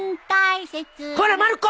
こらまる子！